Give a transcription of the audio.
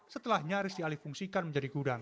setelah nyaris dialih fungsikan menjadi gudang